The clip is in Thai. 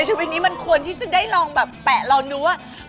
ชีวิตนี้มันควรที่จะได้ลองแบบแปะเราดูว่า